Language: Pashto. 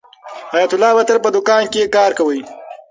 حیات الله به تل په دوکان کې کار کاوه.